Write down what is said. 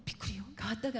変わったからね。